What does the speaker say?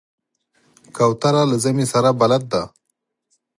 کوتره له ژمي سره بلد ده.